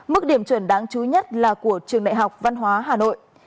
mức điểm chuẩn đáng chú nhất là của trường đại học văn hóa hà nội